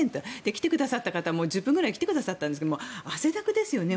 来てくださった方も１０分くらいで来てくださったんですが汗だくですよね